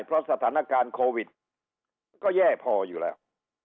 เพราะสถานการณ์โควิดก็แย่พออยู่แล้ว